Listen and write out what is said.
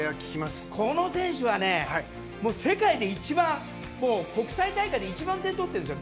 この選手は世界で一番国際大会で一番点を取ってるんですよ